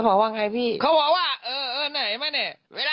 เวลางงี้ยงี้บุคงี้มากเซม